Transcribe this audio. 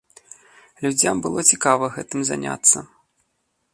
Людзям было цікава гэтым заняцца.